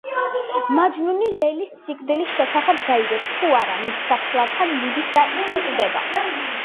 მაჯნუნი ლეილის სიკვდილის შესახებ გაიგებს თუ არა, მის საფლავთან მიდის და იქვე კვდება.